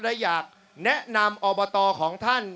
และอยากแนะนำอบตของท่าน